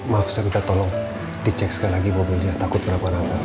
maaf saya minta tolong dicek sekali lagi mobilnya takut berapa rata